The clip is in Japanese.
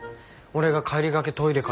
俺が帰りがけトイレ